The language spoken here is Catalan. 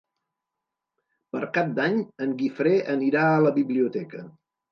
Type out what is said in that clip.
Per Cap d'Any en Guifré anirà a la biblioteca.